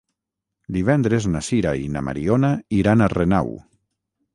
Divendres na Sira i na Mariona iran a Renau.